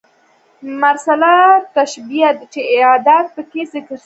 مرسله تشبېه چي ادات پکښي ذکر سوي يي.